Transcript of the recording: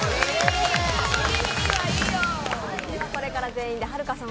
これから全員ではるかさん